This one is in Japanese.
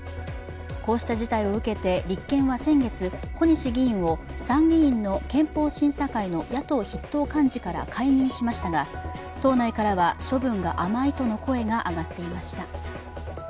こうした事態を受けて立憲は先月、小西議員を参議院の憲法審査会の野党筆頭幹事から解任しましたが、党内からは処分が甘いとの声が上がっていました。